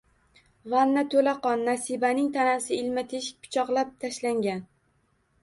Vanna to`la qon, Nasibaning tanasi ilma-teshik pichoqlab tashlangan